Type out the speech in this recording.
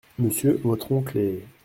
Monsieur votre oncle est ?…